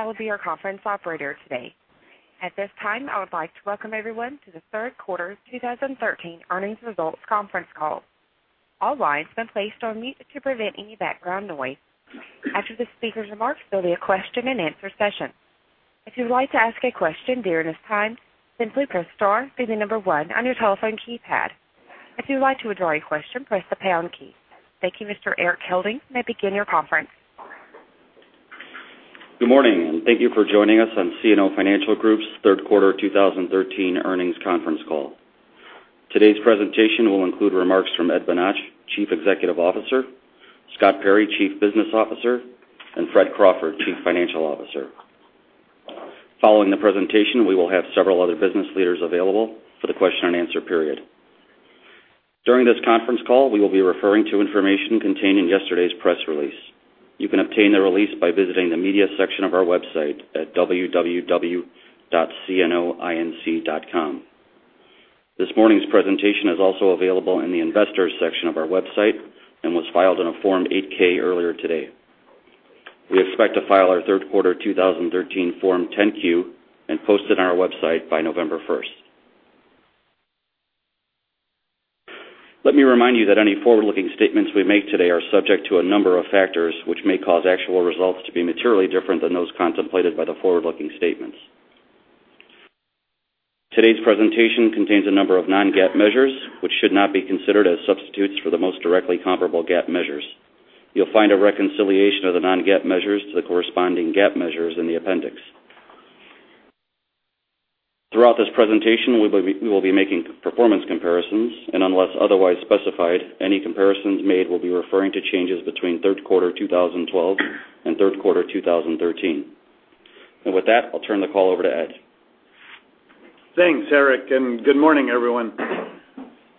That will be our conference operator today. At this time, I would like to welcome everyone to the third quarter 2013 earnings results conference call. All lines have been placed on mute to prevent any background noise. After the speakers' remarks, there'll be a question-and-answer session. If you would like to ask a question during this time, simply press star, then the number one on your telephone keypad. If you would like to withdraw your question, press the pound key. Thank you, Mr. Erik Helding. You may begin your conference. Good morning. Thank you for joining us on CNO Financial Group's third quarter 2013 earnings conference call. Today's presentation will include remarks from Ed Bonach, Chief Executive Officer, Scott Perry, Chief Business Officer, and Fred Crawford, Chief Financial Officer. Following the presentation, we will have several other business leaders available for the question and answer period. During this conference call, we will be referring to information contained in yesterday's press release. You can obtain the release by visiting the media section of our website at www.cnoinc.com. This morning's presentation is also available in the Investors section of our website and was filed in a Form 8-K earlier today. We expect to file our third quarter 2013 Form 10-Q and post it on our website by November 1st. Let me remind you that any forward-looking statements we make today are subject to a number of factors which may cause actual results to be materially different than those contemplated by the forward-looking statements. Today's presentation contains a number of non-GAAP measures, which should not be considered as substitutes for the most directly comparable GAAP measures. You'll find a reconciliation of the non-GAAP measures to the corresponding GAAP measures in the appendix. Throughout this presentation, we will be making performance comparisons, and unless otherwise specified, any comparisons made will be referring to changes between third quarter 2012 and third quarter 2013. With that, I'll turn the call over to Ed. Thanks, Erik. Good morning, everyone.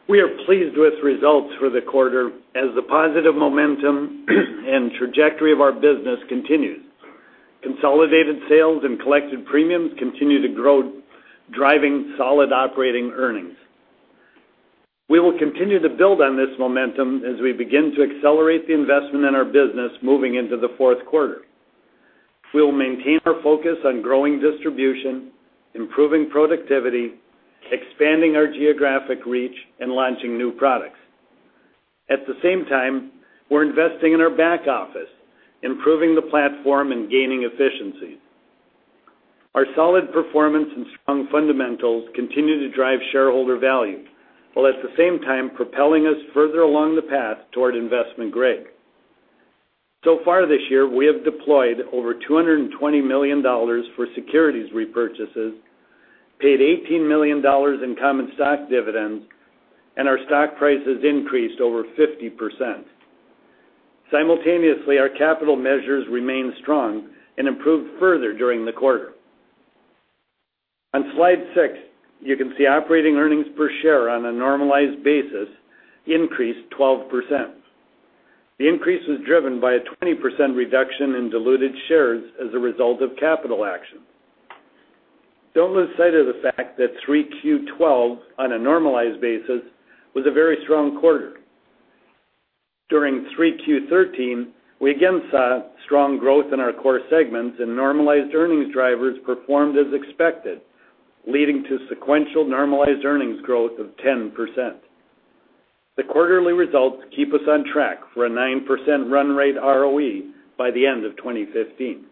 We are pleased with results for the quarter as the positive momentum and trajectory of our business continues. Consolidated sales and collected premiums continue to grow, driving solid operating earnings. We will continue to build on this momentum as we begin to accelerate the investment in our business moving into the fourth quarter. We'll maintain our focus on growing distribution, improving productivity, expanding our geographic reach, and launching new products. At the same time, we're investing in our back office, improving the platform, and gaining efficiencies. Our solid performance and strong fundamentals continue to drive shareholder value, while at the same time propelling us further along the path toward investment grade. So far this year, we have deployed over $220 million for securities repurchases, paid $18 million in common stock dividends, and our stock price has increased over 50%. Simultaneously, our capital measures remain strong and improved further during the quarter. On slide six, you can see operating earnings per share on a normalized basis increased 12%. The increase was driven by a 20% reduction in diluted shares as a result of capital action. Don't lose sight of the fact that 3Q 2012, on a normalized basis, was a very strong quarter. During 3Q 2013, we again saw strong growth in our core segments and normalized earnings drivers performed as expected, leading to sequential normalized earnings growth of 10%. The quarterly results keep us on track for a 9% run rate ROE by the end of 2015.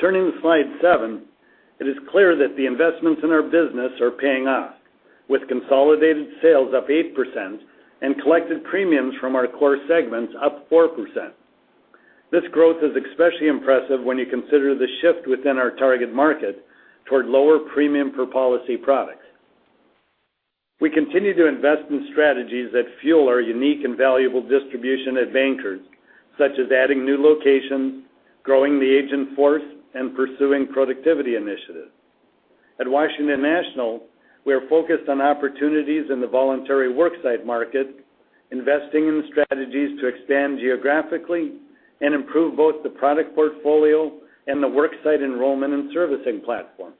Turning to slide seven, it is clear that the investments in our business are paying off, with consolidated sales up 8% and collected premiums from our core segments up 4%. This growth is especially impressive when you consider the shift within our target market toward lower premium per policy product. We continue to invest in strategies that fuel our unique and valuable distribution at Bankers, such as adding new locations, growing the agent force, and pursuing productivity initiatives. At Washington National, we are focused on opportunities in the voluntary worksite market, investing in strategies to expand geographically and improve both the product portfolio and the worksite enrollment and servicing platform.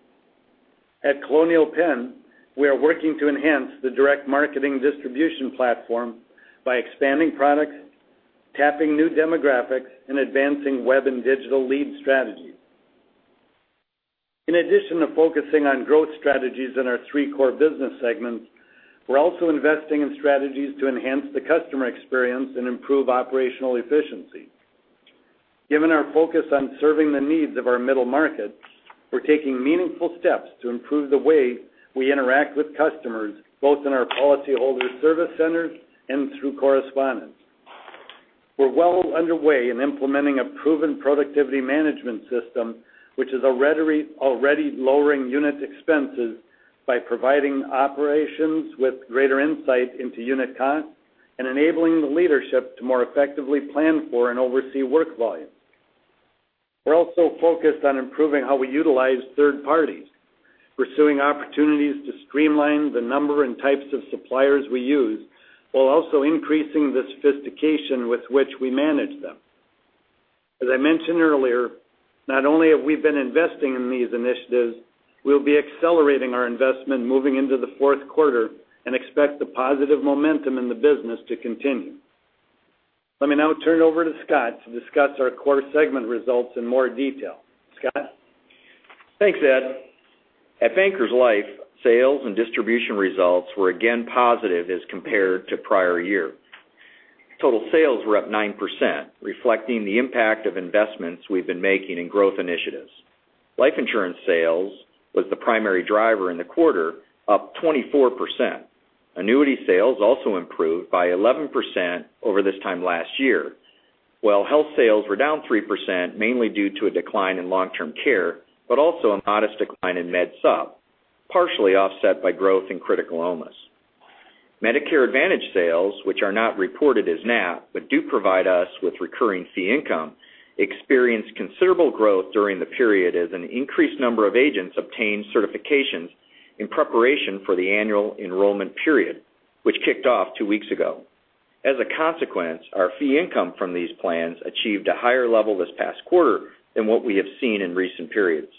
At Colonial Penn, we are working to enhance the direct marketing distribution platform by expanding products, tapping new demographics, and advancing web and digital lead strategies. In addition to focusing on growth strategies in our three core business segments, we're also investing in strategies to enhance the customer experience and improve operational efficiency. Given our focus on serving the needs of our middle market, we're taking meaningful steps to improve the way we interact with customers, both in our policyholder service centers and through correspondence. We're well underway in implementing a proven productivity management system, which is already lowering unit expenses by providing operations with greater insight into unit costs and enabling the leadership to more effectively plan for and oversee work volume. We're also focused on improving how we utilize third parties, pursuing opportunities to streamline the number and types of suppliers we use, while also increasing the sophistication with which we manage them. As I mentioned earlier. Not only have we been investing in these initiatives, we'll be accelerating our investment moving into the fourth quarter and expect the positive momentum in the business to continue. Let me now turn it over to Scott to discuss our core segment results in more detail. Scott? Thanks, Ed. At Bankers Life, sales and distribution results were again positive as compared to prior year. Total sales were up 9%, reflecting the impact of investments we've been making in growth initiatives. Life insurance sales was the primary driver in the quarter, up 24%. Annuity sales also improved by 11% over this time last year, while health sales were down 3%, mainly due to a decline in long-term care, but also a modest decline in medsup, partially offset by growth in critical illness. Medicare Advantage sales, which are not reported as NAP, but do provide us with recurring fee income, experienced considerable growth during the period as an increased number of agents obtained certifications in preparation for the annual enrollment period, which kicked off two weeks ago. Our fee income from these plans achieved a higher level this past quarter than what we have seen in recent periods.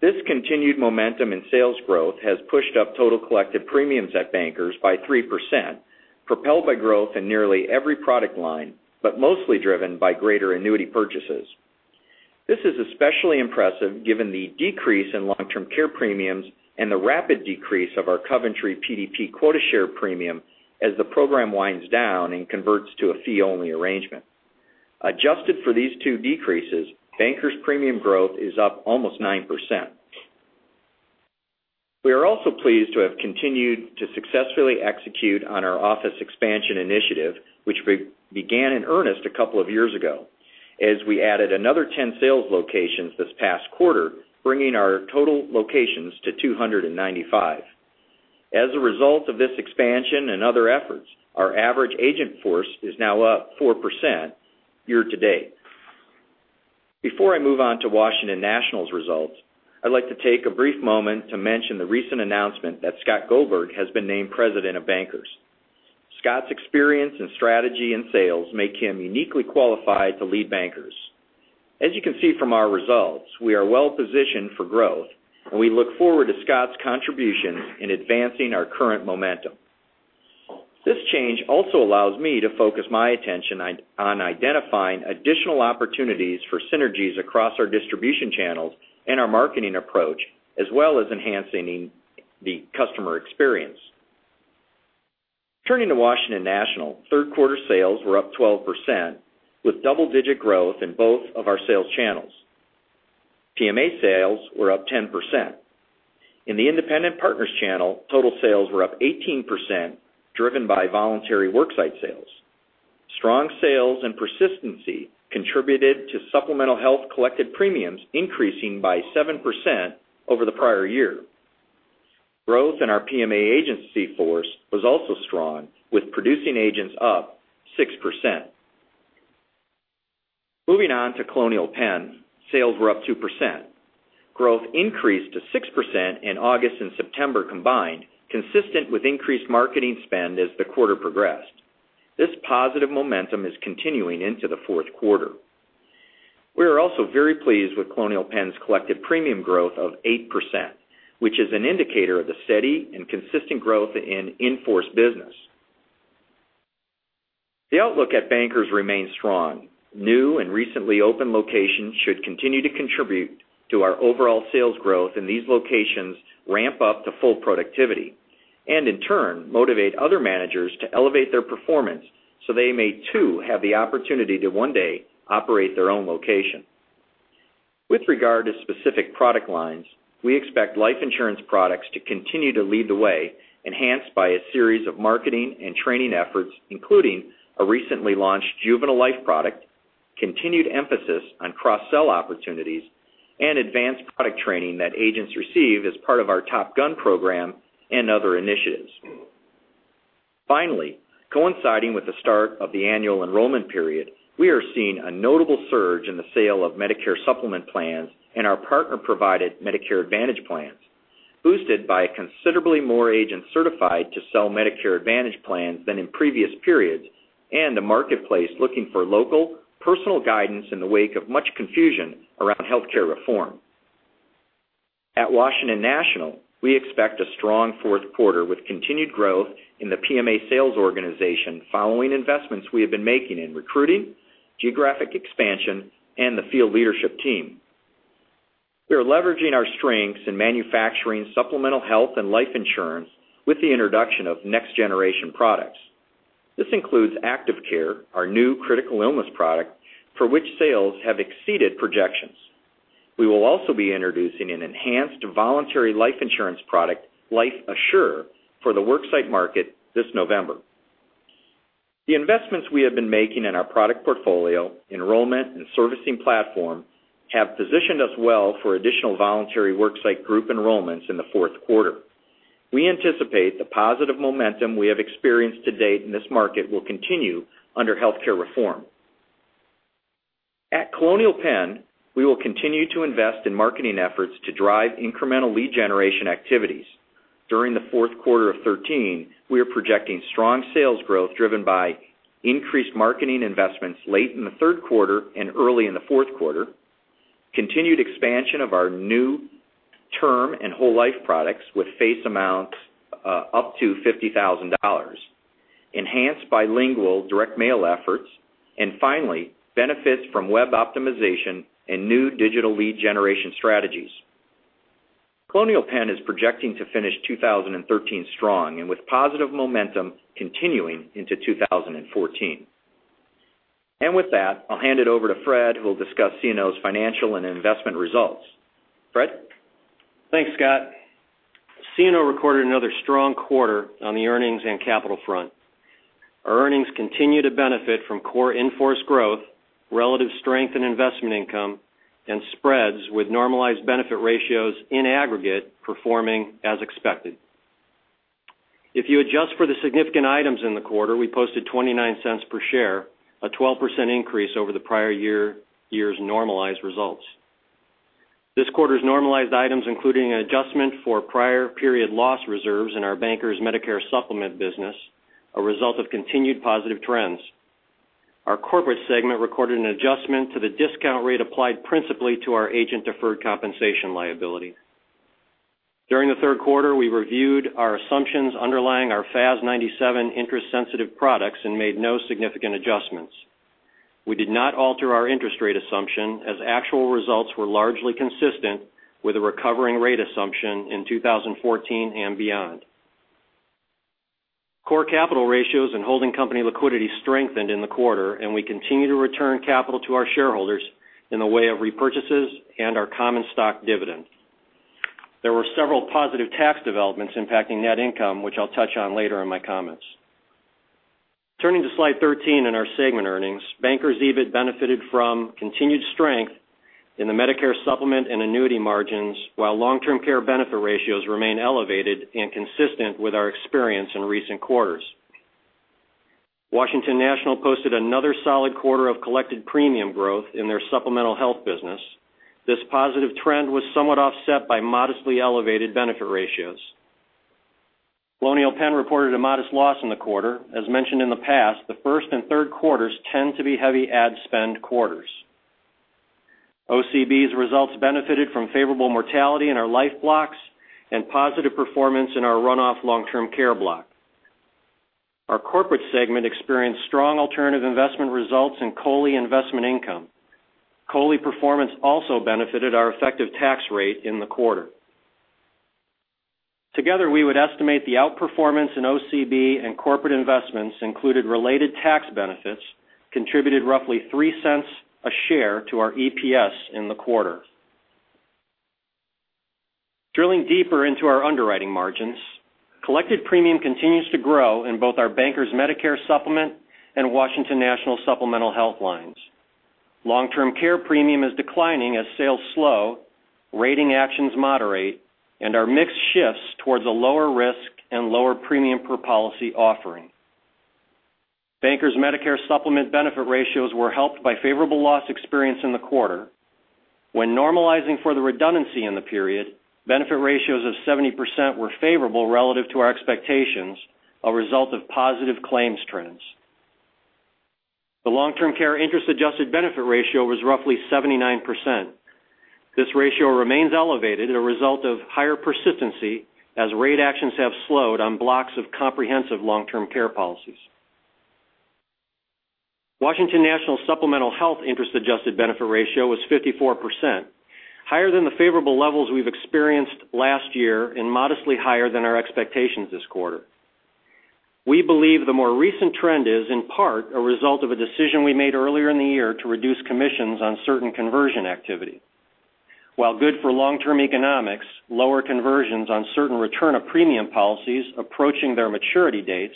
This continued momentum in sales growth has pushed up total collective premiums at Bankers by 3%, propelled by growth in nearly every product line, but mostly driven by greater annuity purchases. This is especially impressive given the decrease in long-term care premiums and the rapid decrease of our Coventry PDP quota share premium as the program winds down and converts to a fee-only arrangement. Adjusted for these two decreases, Bankers' premium growth is up almost 9%. We are also pleased to have continued to successfully execute on our office expansion initiative, which began in earnest a couple of years ago, as we added another 10 sales locations this past quarter, bringing our total locations to 295. Our average agent force is now up 4% year to date. Before I move on to Washington National's results, I'd like to take a brief moment to mention the recent announcement that Scott Goldberg has been named President of Bankers. Scott's experience in strategy and sales make him uniquely qualified to lead Bankers. As you can see from our results, we are well-positioned for growth, and we look forward to Scott's contribution in advancing our current momentum. This change also allows me to focus my attention on identifying additional opportunities for synergies across our distribution channels and our marketing approach, as well as enhancing the customer experience. Turning to Washington National, third quarter sales were up 12%, with double-digit growth in both of our sales channels. PMA sales were up 10%. In the independent partners channel, total sales were up 18%, driven by voluntary worksite sales. Strong sales and persistency contributed to supplemental health collected premiums increasing by 7% over the prior year. Growth in our PMA agency force was also strong, with producing agents up 6%. Moving on to Colonial Penn, sales were up 2%. Growth increased to 6% in August and September combined, consistent with increased marketing spend as the quarter progressed. This positive momentum is continuing into the fourth quarter. We are also very pleased with Colonial Penn's collective premium growth of 8%, which is an indicator of the steady and consistent growth in in-force business. The outlook at Bankers remains strong. New and recently opened locations should continue to contribute to our overall sales growth, and these locations ramp up to full productivity. In turn, motivate other managers to elevate their performance so they may, too, have the opportunity to one day operate their own location. With regard to specific product lines, we expect life insurance products to continue to lead the way, enhanced by a series of marketing and training efforts, including a recently launched juvenile life product, continued emphasis on cross-sell opportunities, and advanced product training that agents receive as part of our Top Gun program and other initiatives. Finally, coinciding with the start of the annual enrollment period, we are seeing a notable surge in the sale of Medicare Supplement plans and our partner-provided Medicare Advantage plans, boosted by considerably more agents certified to sell Medicare Advantage plans than in previous periods, and a marketplace looking for local, personal guidance in the wake of much confusion around healthcare reform. At Washington National, we expect a strong fourth quarter with continued growth in the PMA sales organization following investments we have been making in recruiting, geographic expansion, and the field leadership team. We are leveraging our strengths in manufacturing supplemental health and life insurance with the introduction of next-generation products. This includes Active Care, our new critical illness product, for which sales have exceeded projections. We will also be introducing an enhanced voluntary life insurance product, Life Assure, for the worksite market this November. The investments we have been making in our product portfolio, enrollment, and servicing platform have positioned us well for additional voluntary worksite group enrollments in the fourth quarter. We anticipate the positive momentum we have experienced to date in this market will continue under healthcare reform. At Colonial Penn, we will continue to invest in marketing efforts to drive incremental lead generation activities. During the fourth quarter of 2013, we are projecting strong sales growth driven by increased marketing investments late in the third quarter and early in the fourth quarter, continued expansion of our new term and whole life products with face amounts up to $50,000, enhanced bilingual direct mail efforts, and finally, benefits from web optimization and new digital lead generation strategies. Colonial Penn is projecting to finish 2013 strong and with positive momentum continuing into 2014. With that, I'll hand it over to Fred, who will discuss CNO's financial and investment results. Fred? Thanks, Scott. CNO recorded another strong quarter on the earnings and capital front. Our earnings continue to benefit from core in-force growth, relative strength in investment income, and spreads with normalized benefit ratios in aggregate performing as expected. If you adjust for the significant items in the quarter, we posted $0.29 per share, a 12% increase over the prior year's normalized results. This quarter's normalized items including an adjustment for prior period loss reserves in our Bankers Medicare Supplement business, a result of continued positive trends. Our corporate segment recorded an adjustment to the discount rate applied principally to our agent deferred compensation liability. During the third quarter, we reviewed our assumptions underlying our FAS 97 interest-sensitive products and made no significant adjustments. We did not alter our interest rate assumption, as actual results were largely consistent with a recovering rate assumption in 2014 and beyond. Core capital ratios and holding company liquidity strengthened in the quarter. We continue to return capital to our shareholders in the way of repurchases and our common stock dividend. There were several positive tax developments impacting net income, which I'll touch on later in my comments. Turning to slide 13 in our segment earnings, Bankers Life benefited from continued strength in the Medicare Supplement and annuity margins while long-term care benefit ratios remain elevated and consistent with our experience in recent quarters. Washington National posted another solid quarter of collected premium growth in their supplemental health business. This positive trend was somewhat offset by modestly elevated benefit ratios. Colonial Penn reported a modest loss in the quarter. As mentioned in the past, the first and third quarters tend to be heavy ad spend quarters. OCB's results benefited from favorable mortality in our life blocks and positive performance in our runoff long-term care block. Our corporate segment experienced strong alternative investment results in COLI investment income. COLI performance also benefited our effective tax rate in the quarter. Together, we would estimate the outperformance in OCB and corporate investments included related tax benefits contributed roughly $0.03 a share to our EPS in the quarter. Drilling deeper into our underwriting margins, collected premium continues to grow in both our Bankers Life Medicare Supplement and Washington National Supplemental Health lines. Long-term care premium is declining as sales slow, rating actions moderate, and our mix shifts towards a lower risk and lower premium per policy offering. Bankers Life Medicare Supplement benefit ratios were helped by favorable loss experience in the quarter. When normalizing for the redundancy in the period, benefit ratios of 70% were favorable relative to our expectations, a result of positive claims trends. The long-term care interest adjusted benefit ratio was roughly 79%. This ratio remains elevated as a result of higher persistency as rate actions have slowed on blocks of comprehensive long-term care policies. Washington National Supplemental Health interest adjusted benefit ratio was 54%, higher than the favorable levels we've experienced last year and modestly higher than our expectations this quarter. We believe the more recent trend is, in part, a result of a decision we made earlier in the year to reduce commissions on certain conversion activity. While good for long-term economics, lower conversions on certain return of premium policies approaching their maturity dates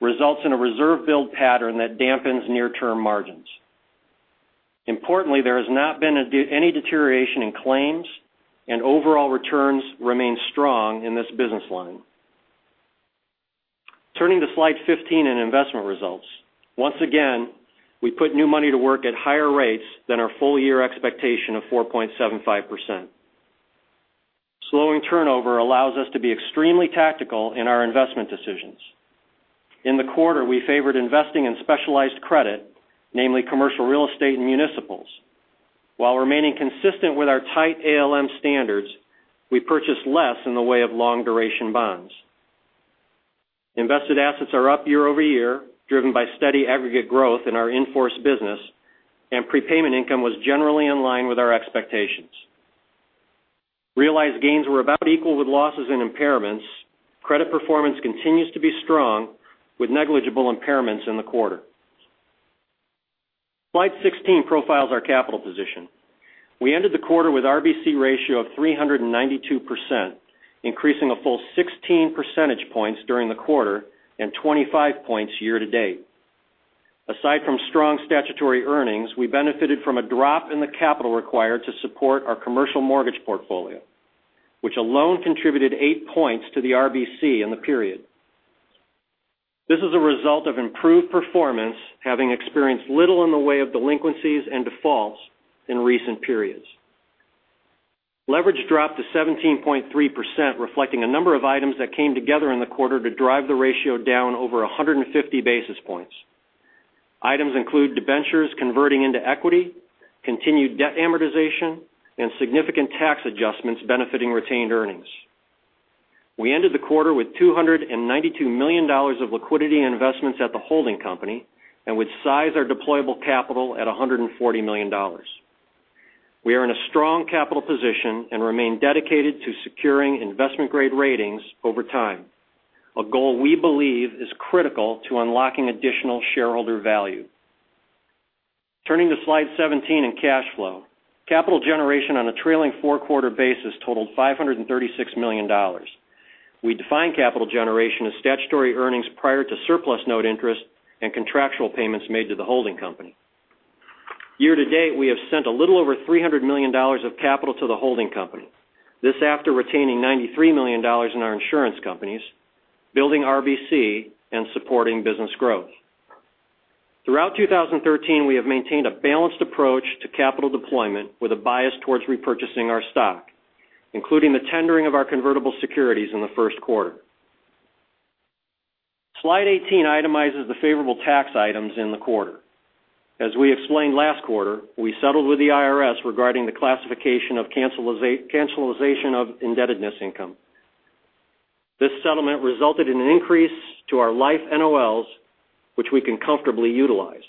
results in a reserve build pattern that dampens near-term margins. Importantly, there has not been any deterioration in claims. Overall returns remain strong in this business line. Turning to slide 15 in investment results. Once again, we put new money to work at higher rates than our full-year expectation of 4.75%. Slowing turnover allows us to be extremely tactical in our investment decisions. In the quarter, we favored investing in specialized credit, namely commercial real estate and municipals. While remaining consistent with our tight ALM standards, we purchased less in the way of long-duration bonds. Invested assets are up year-over-year, driven by steady aggregate growth in our in-force business. Prepayment income was generally in line with our expectations. Realized gains were about equal with losses and impairments. Credit performance continues to be strong, with negligible impairments in the quarter. Slide 16 profiles our capital position. We ended the quarter with RBC ratio of 392%, increasing a full 16 percentage points during the quarter and 25 points year to date. Aside from strong statutory earnings, we benefited from a drop in the capital required to support our commercial mortgage portfolio, which alone contributed 8 points to the RBC. This is a result of improved performance, having experienced little in the way of delinquencies and defaults in recent periods. Leverage dropped to 17.3%, reflecting a number of items that came together in the quarter to drive the ratio down over 150 basis points. Items include debentures converting into equity, continued debt amortization, and significant tax adjustments benefiting retained earnings. We ended the quarter with $292 million of liquidity and investments at the holding company, and which size our deployable capital at $140 million. We are in a strong capital position and remain dedicated to securing investment-grade ratings over time, a goal we believe is critical to unlocking additional shareholder value. Turning to slide 17 in cash flow. Capital generation on a trailing four-quarter basis totaled $536 million. We define capital generation as statutory earnings prior to surplus note interest and contractual payments made to the holding company. Year-to-date, we have sent a little over $300 million of capital to the holding company. This after retaining $93 million in our insurance companies, building RBC, and supporting business growth. Throughout 2013, we have maintained a balanced approach to capital deployment with a bias towards repurchasing our stock, including the tendering of our convertible securities in the first quarter. Slide 18 itemizes the favorable tax items in the quarter. As we explained last quarter, we settled with the IRS regarding the classification of cancellation of indebtedness income. This settlement resulted in an increase to our life NOLs, which we can comfortably utilize.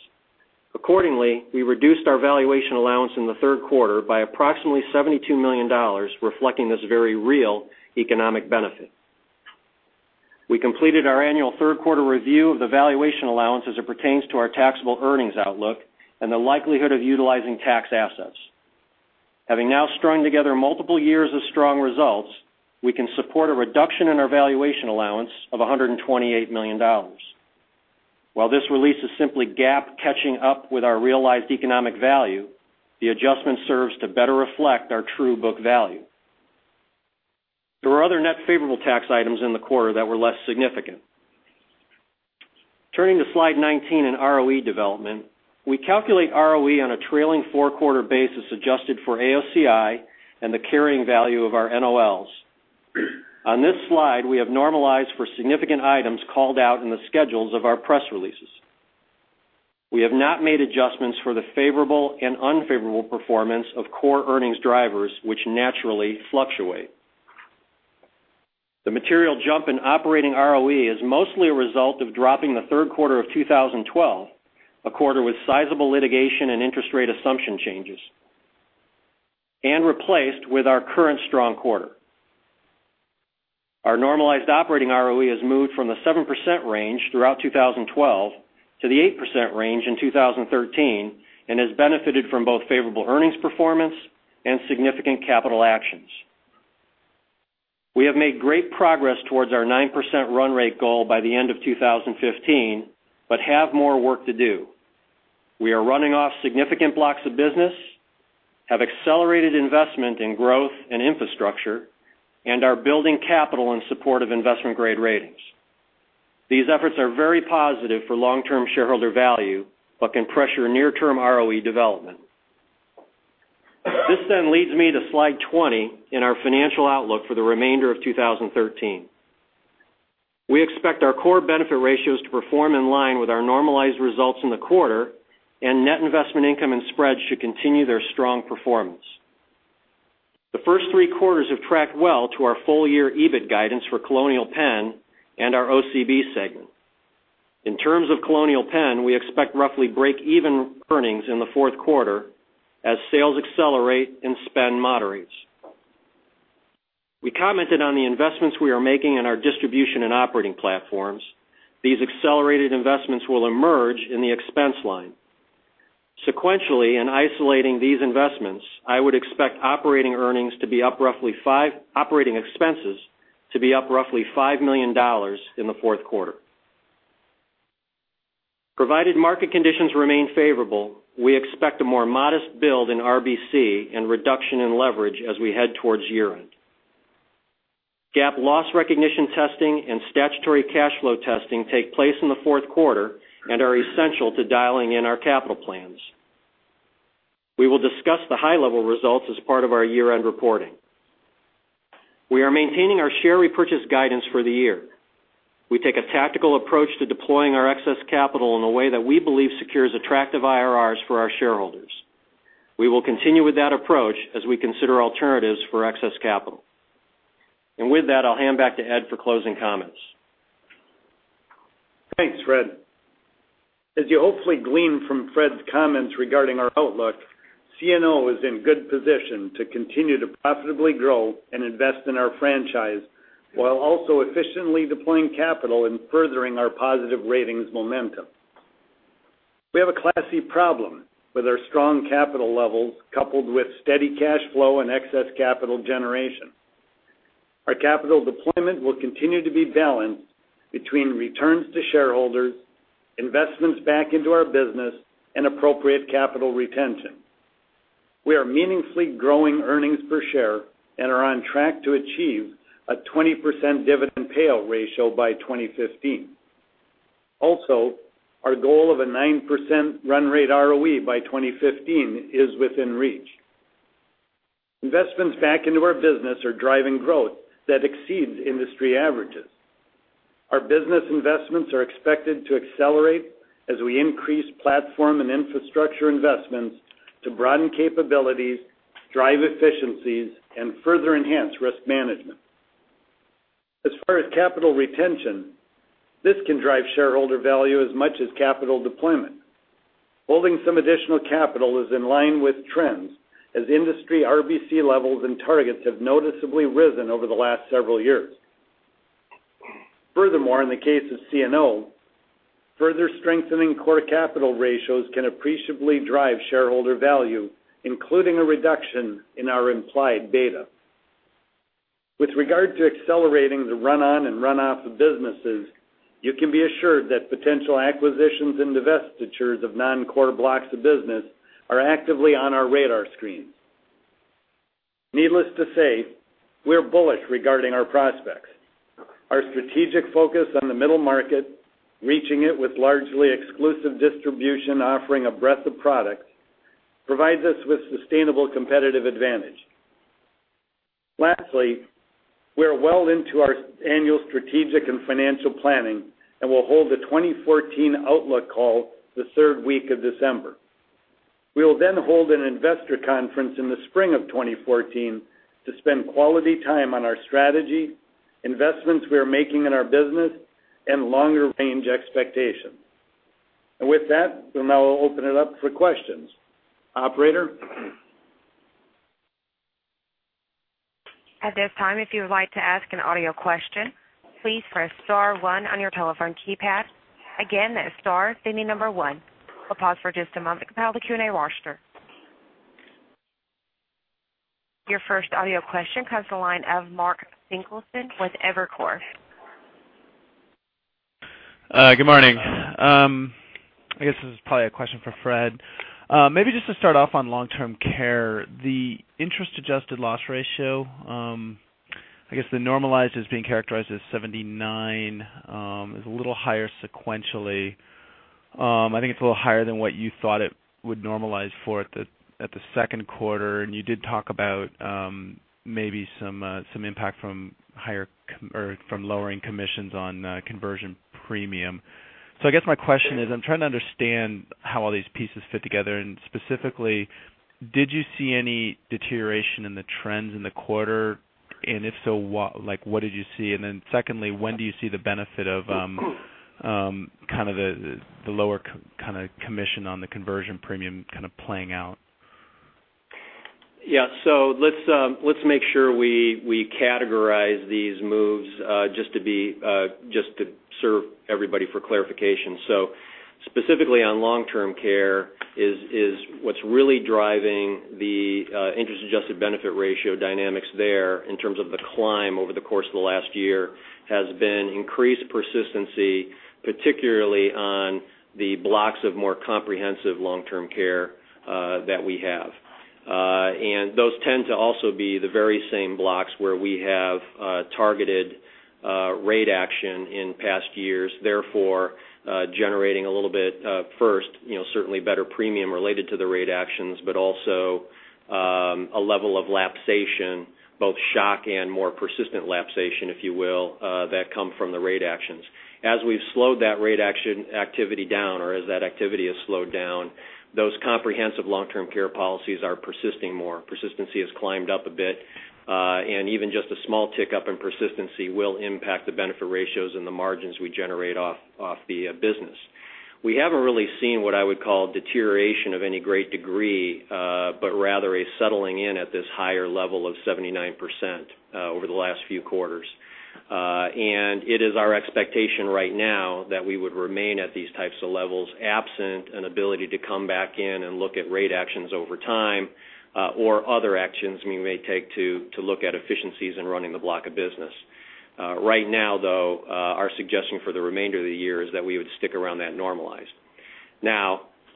Accordingly, we reduced our valuation allowance in the third quarter by approximately $72 million, reflecting this very real economic benefit. We completed our annual third quarter review of the valuation allowance as it pertains to our taxable earnings outlook and the likelihood of utilizing tax assets. Having now strung together multiple years of strong results, we can support a reduction in our valuation allowance of $128 million. While this release is simply GAAP catching up with our realized economic value, the adjustment serves to better reflect our true book value. There were other net favorable tax items in the quarter that were less significant. Turning to slide 19 in ROE development. We calculate ROE on a trailing four-quarter basis adjusted for AOCI and the carrying value of our NOLs. On this slide, we have normalized for significant items called out in the schedules of our press releases. We have not made adjustments for the favorable and unfavorable performance of core earnings drivers, which naturally fluctuate. The material jump in operating ROE is mostly a result of dropping the third quarter of 2012, a quarter with sizable litigation and interest rate assumption changes, and replaced with our current strong quarter. Our normalized operating ROE has moved from the 7% range throughout 2012 to the 8% range in 2013 and has benefited from both favorable earnings performance and significant capital actions. We have made great progress towards our 9% run rate goal by the end of 2015, have more work to do. We are running off significant blocks of business, have accelerated investment in growth and infrastructure, and are building capital in support of investment-grade ratings. These efforts are very positive for long-term shareholder value can pressure near-term ROE development. This leads me to slide 20 in our financial outlook for the remainder of 2013. We expect our core benefit ratios to perform in line with our normalized results in the quarter, net investment income and spreads should continue their strong performance. The first three quarters have tracked well to our full-year EBIT guidance for Colonial Penn and our OCB segment. In terms of Colonial Penn, we expect roughly break-even earnings in the fourth quarter as sales accelerate and spend moderates. We commented on the investments we are making in our distribution and operating platforms. These accelerated investments will emerge in the expense line. Sequentially, in isolating these investments, I would expect operating expenses to be up roughly $5 million in the fourth quarter. Provided market conditions remain favorable, we expect a more modest build in RBC and reduction in leverage as we head towards year-end. GAAP loss recognition testing and statutory cash flow testing take place in the fourth quarter and are essential to dialing in our capital plans. We will discuss the high-level results as part of our year-end reporting. We are maintaining our share repurchase guidance for the year. We take a tactical approach to deploying our excess capital in a way that we believe secures attractive IRRs for our shareholders. We will continue with that approach as we consider alternatives for excess capital. With that, I'll hand back to Ed for closing comments. Thanks, Fred. As you hopefully glean from Fred's comments regarding our outlook, CNO is in good position to continue to profitably grow and invest in our franchise while also efficiently deploying capital and furthering our positive ratings momentum. We have a classy problem with our strong capital levels coupled with steady cash flow and excess capital generation. Our capital deployment will continue to be balanced between returns to shareholders, investments back into our business, and appropriate capital retention. We are meaningfully growing earnings per share and are on track to achieve a 20% dividend payout ratio by 2015. Our goal of a 9% run rate ROE by 2015 is within reach. Investments back into our business are driving growth that exceeds industry averages. Our business investments are expected to accelerate as we increase platform and infrastructure investments to broaden capabilities, drive efficiencies, and further enhance risk management. As far as capital retention, this can drive shareholder value as much as capital deployment. Holding some additional capital is in line with trends as industry RBC levels and targets have noticeably risen over the last several years. Furthermore, in the case of CNO, further strengthening core capital ratios can appreciably drive shareholder value, including a reduction in our implied beta. With regard to accelerating the run on and run off of businesses, you can be assured that potential acquisitions and divestitures of non-core blocks of business are actively on our radar screen. Needless to say, we're bullish regarding our prospects. Our strategic focus on the middle market, reaching it with largely exclusive distribution, offering a breadth of products, provides us with sustainable competitive advantage. Lastly, we are well into our annual strategic and financial planning and will hold the 2014 outlook call the third week of December. We will then hold an investor conference in the spring of 2014 to spend quality time on our strategy, investments we are making in our business, and longer range expectations. With that, we'll now open it up for questions. Operator? At this time, if you would like to ask an audio question, please press star one on your telephone keypad. Again, that is star, then the number one. We'll pause for just a moment to compile the Q&A roster. Your first audio question comes the line of Mark Finkelstein with Evercore. Good morning. I guess this is probably a question for Fred. Maybe just to start off on long-term care, the interest-adjusted loss ratio, I guess the normalized is being characterized as 79, is a little higher sequentially. I think it's a little higher than what you thought it would normalize for at the second quarter, you did talk about maybe some impact from lowering commissions on conversion premium. I guess my question is, I'm trying to understand how all these pieces fit together, and specifically, did you see any deterioration in the trends in the quarter? If so, what did you see? Then secondly, when do you see the benefit of the lower commission on the conversion premium playing out? Yeah. Let's make sure we categorize these moves just to serve everybody for clarification. Specifically on long-term care is what's really driving the interest-adjusted benefit ratio dynamics there in terms of the climb over the course of the last year has been increased persistency, particularly on the blocks of more comprehensive long-term care that we have. Those tend to also be the very same blocks where we have targeted rate action in past years, therefore generating a little bit first, certainly better premium related to the rate actions, but also a level of lapsation, both shock and more persistent lapsation, if you will, that come from the rate actions. As we've slowed that rate action activity down, or as that activity has slowed down, those comprehensive long-term care policies are persisting more. Persistency has climbed up a bit. Even just a small tick up in persistency will impact the benefit ratios and the margins we generate off the business. We haven't really seen what I would call deterioration of any great degree, but rather a settling in at this higher level of 79% over the last few quarters. It is our expectation right now that we would remain at these types of levels, absent an ability to come back in and look at rate actions over time or other actions we may take to look at efficiencies in running the block of business. Right now, though, our suggestion for the remainder of the year is that we would stick around that normalized.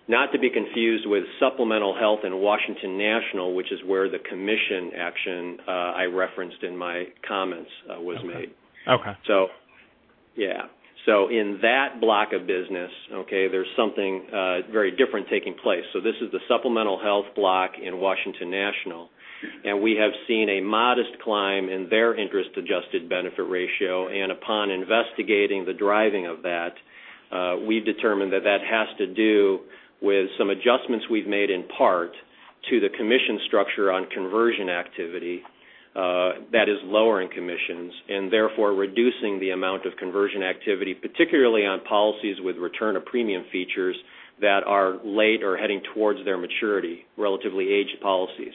Not to be confused with supplemental health in Washington National, which is where the commission action I referenced in my comments was made. Okay. In that block of business, there's something very different taking place. This is the supplemental health block in Washington National, and we have seen a modest climb in their interest-adjusted benefit ratio. Upon investigating the driving of that, we've determined that has to do with some adjustments we've made in part to the commission structure on conversion activity that is lowering commissions, and therefore reducing the amount of conversion activity, particularly on policies with return of premium features that are late or heading towards their maturity, relatively aged policies.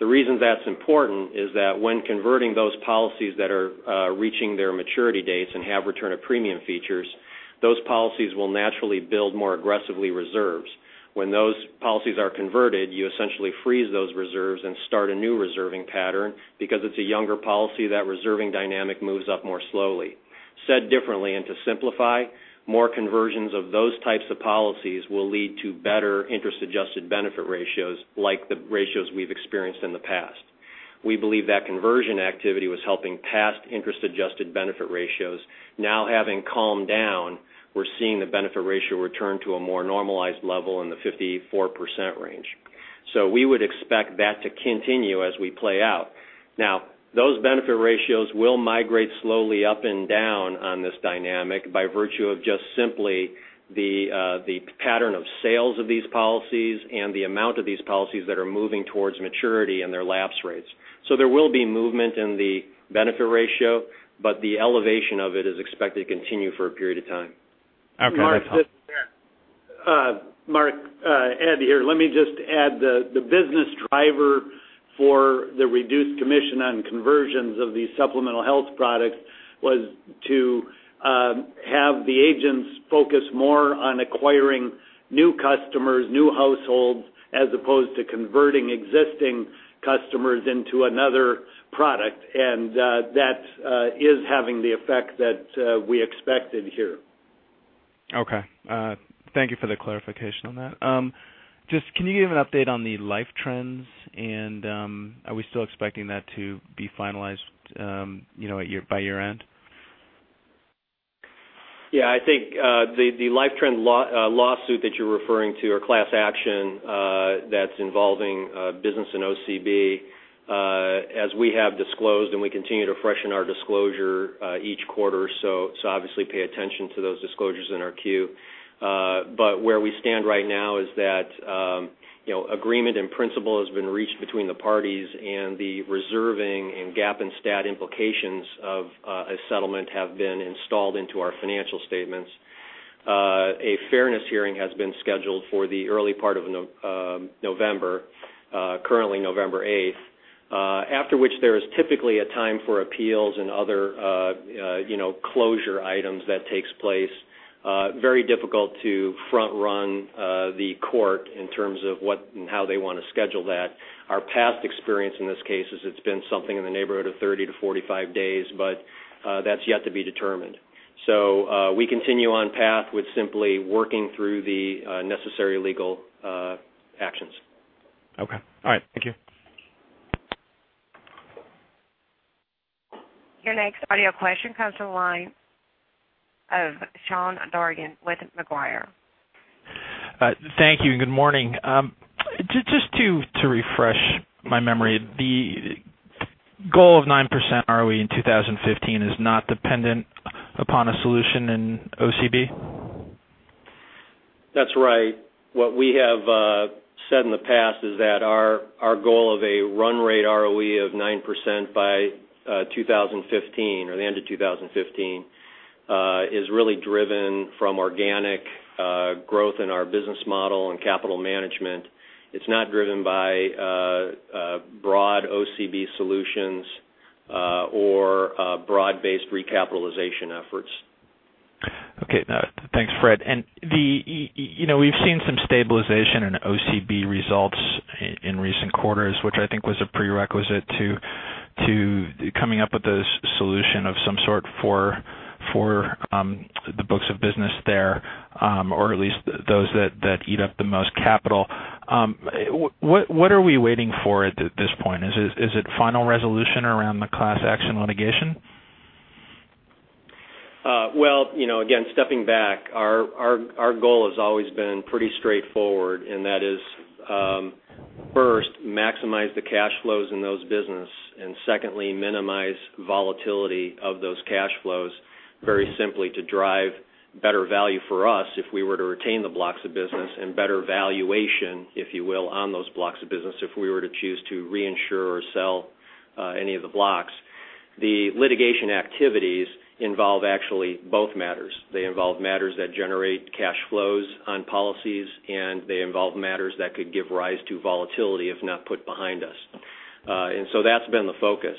The reason that's important is that when converting those policies that are reaching their maturity dates and have return of premium features, those policies will naturally build more aggressively reserves. When those policies are converted, you essentially freeze those reserves and start a new reserving pattern. Because it's a younger policy, that reserving dynamic moves up more slowly. Said differently and to simplify, more conversions of those types of policies will lead to better interest-adjusted benefit ratios, like the ratios we've experienced in the past. We believe that conversion activity was helping past interest-adjusted benefit ratios. Having calmed down, we're seeing the benefit ratio return to a more normalized level in the 54% range. We would expect that to continue as we play out. Those benefit ratios will migrate slowly up and down on this dynamic by virtue of just simply the pattern of sales of these policies and the amount of these policies that are moving towards maturity and their lapse rates. There will be movement in the benefit ratio, but the elevation of it is expected to continue for a period of time. Okay. That helps. Mark, Ed here. Let me just add, the business driver for the reduced commission on conversions of these supplemental health products was to have the agents focus more on acquiring new customers, new households, as opposed to converting existing customers into another product. That is having the effect that we expected here. Okay. Thank you for the clarification on that. Just can you give an update on the life trends, and are we still expecting that to be finalized by year-end? I think the life trend lawsuit that you're referring to or class action that's involving business in OCB as we have disclosed, and we continue to freshen our disclosure each quarter, so obviously pay attention to those disclosures in our Q. Where we stand right now is that agreement in principle has been reached between the parties, and the reserving and GAAP and STAT implications of a settlement have been installed into our financial statements. A fairness hearing has been scheduled for the early part of November, currently November 8th, after which there is typically a time for appeals and other closure items that takes place. Very difficult to front-run the court in terms of what and how they want to schedule that. Our past experience in this case is it's been something in the neighborhood of 30 to 45 days, but that's yet to be determined. We continue on path with simply working through the necessary legal actions. Okay. All right. Thank you. Your next audio question comes to the line of Sean Dargan with Macquarie. Thank you. Good morning. Just to refresh my memory, the goal of 9% ROE in 2015 is not dependent upon a solution in OCB? That's right. What we have said in the past is that our goal of a run rate ROE of 9% by 2015 or the end of 2015 is really driven from organic growth in our business model and capital management. It's not driven by broad OCB solutions or broad-based recapitalization efforts. Okay. Thanks, Fred. We've seen some stabilization in OCB results in recent quarters, which I think was a prerequisite to coming up with a solution of some sort for the books of business there, or at least those that eat up the most capital. What are we waiting for at this point? Is it final resolution around the class action litigation? Well, again, stepping back, our goal has always been pretty straightforward. That is, first, maximize the cash flows in those business, Secondly, minimize volatility of those cash flows very simply to drive better value for us if we were to retain the blocks of business and better valuation, if you will, on those blocks of business if we were to choose to reinsure or sell any of the blocks. The litigation activities involve actually both matters. They involve matters that generate cash flows on policies, and they involve matters that could give rise to volatility if not put behind us. That's been the focus.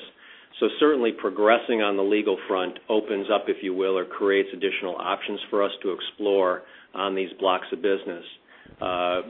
Certainly progressing on the legal front opens up, if you will, or creates additional options for us to explore on these blocks of business. The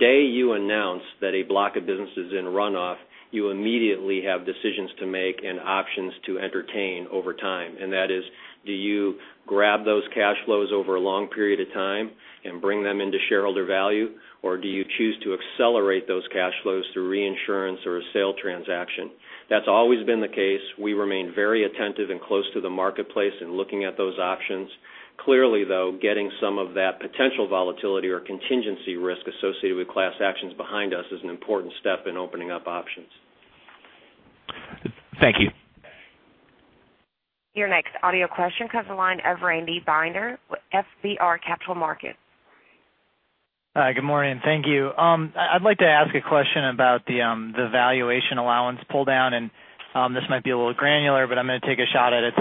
day you announce that a block of business is in runoff, you immediately have decisions to make and options to entertain over time. That is, do you grab those cash flows over a long period of time and bring them into shareholder value, or do you choose to accelerate those cash flows through reinsurance or a sale transaction? That's always been the case. We remain very attentive and close to the marketplace in looking at those options. Clearly, though, getting some of that potential volatility or contingency risk associated with class actions behind us is an important step in opening up options. Thank you. Your next audio question comes to the line of Randy Binner with FBR Capital Markets. Hi, good morning. Thank you. I'd like to ask a question about the valuation allowance pull-down, and this might be a little granular, but I'm going to take a shot at it.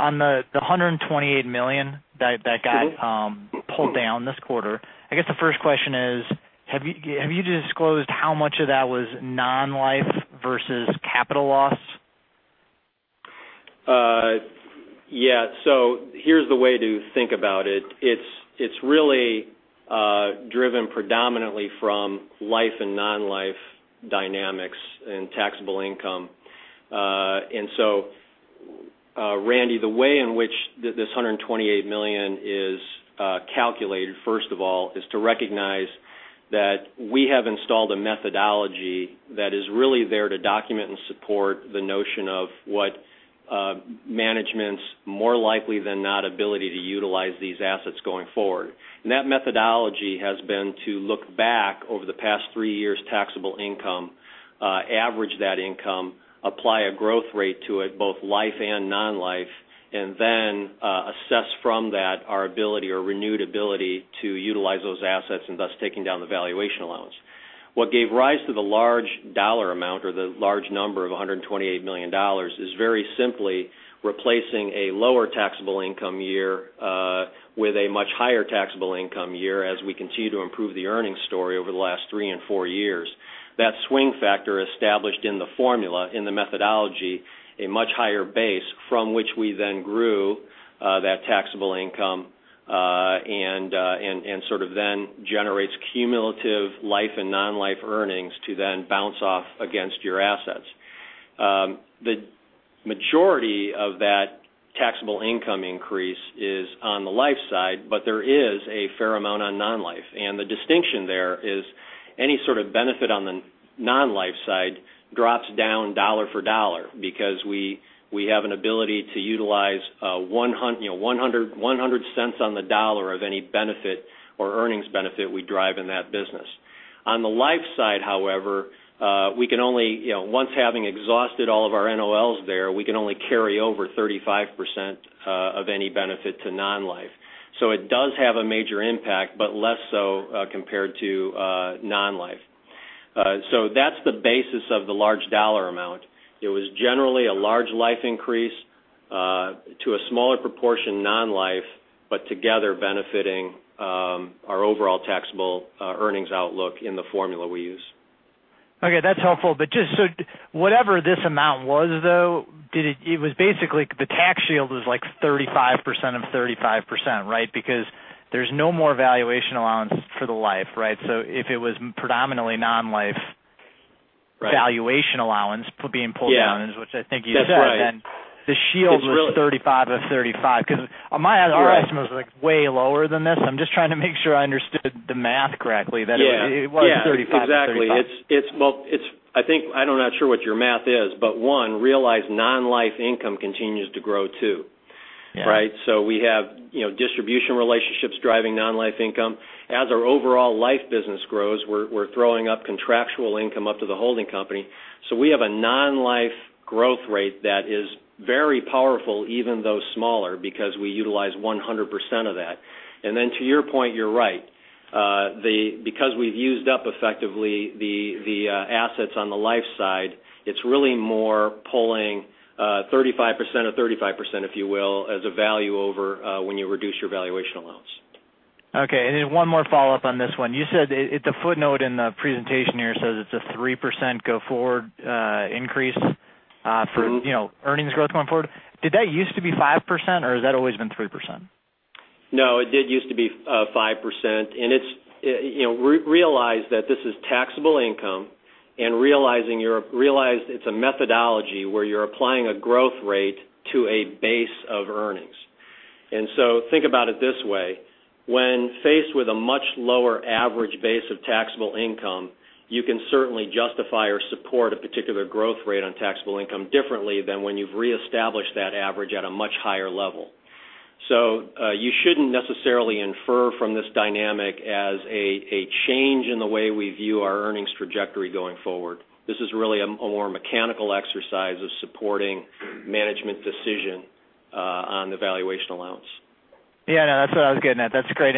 On the $128 million that got pulled down this quarter, I guess the first question is, have you disclosed how much of that was non-life versus capital loss? Here's the way to think about it. It's really driven predominantly from life and non-life dynamics and taxable income. Randy, the way in which this $128 million is calculated, first of all, is to recognize that we have installed a methodology that is really there to document and support the notion of what management's more likely than not ability to utilize these assets going forward. That methodology has been to look back over the past three years' taxable income, average that income, apply a growth rate to it, both life and non-life, and then assess from that our ability or renewed ability to utilize those assets and thus taking down the valuation allowance. What gave rise to the large dollar amount or the large number of $128 million is very simply replacing a lower taxable income year with a much higher taxable income year as we continue to improve the earnings story over the last three and four years. That swing factor established in the formula, in the methodology, a much higher base from which we then grew that taxable income, and then generates cumulative life and non-life earnings to then bounce off against your assets. The majority of that taxable income increase is on the life side, but there is a fair amount on non-life. The distinction there is any sort of benefit on the non-life side drops down dollar for dollar because we have an ability to utilize $1.00 on the dollar of any benefit or earnings benefit we drive in that business. On the life side, however, once having exhausted all of our NOLs there, we can only carry over 35% of any benefit to non-life. It does have a major impact, but less so compared to non-life. That's the basis of the large dollar amount. It was generally a large life increase to a smaller proportion non-life, but together benefiting our overall taxable earnings outlook in the formula we use. That's helpful. Whatever this amount was, though, it was basically the tax shield was 35% of 35%, right? Because there's no more valuation allowance for the life, right? If it was predominantly non-life. Right Valuation allowance being pulled down. Yeah which I think it was then. That's right. the shield was 35 of 35 because our estimate was way lower than this. I'm just trying to make sure I understood the math correctly, that it was 35 of 35. Yeah, exactly. I'm not sure what your math is, one, realize non-life income continues to grow, too. Yeah. We have distribution relationships driving non-life income. As our overall life business grows, we're throwing up contractual income up to the holding company. We have a non-life growth rate that is very powerful, even though smaller, because we utilize 100% of that. To your point, you're right. Because we've used up effectively the assets on the life side, it's really more pulling 35% of 35%, if you will, as a value over when you reduce your valuation allowance. Okay. One more follow-up on this one. You said the footnote in the presentation here says it's a 3% go forward increase for earnings growth going forward. Did that used to be 5%, or has that always been 3%? No, it did used to be 5%. Realize that this is taxable income and realize it's a methodology where you're applying a growth rate to a base of earnings. Think about it this way. When faced with a much lower average base of taxable income, you can certainly justify or support a particular growth rate on taxable income differently than when you've reestablished that average at a much higher level. You shouldn't necessarily infer from this dynamic as a change in the way we view our earnings trajectory going forward. This is really a more mechanical exercise of supporting management decision on the valuation allowance. Yeah, no, that's what I was getting at. That's great.